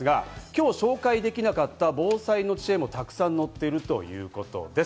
今日、紹介できなかった防災の知恵もたくさん載っているということです。